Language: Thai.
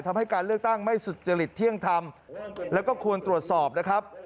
ทำให้การเลือกตั้งไม่สุจริตเที่ยงธรรมแล้วก็ควรตรวจสอบนะครับ